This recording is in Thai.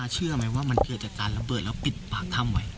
เชื่อไหมว่ามันเกิดจากการระเบิดแล้วปิดปากถ้ำไว้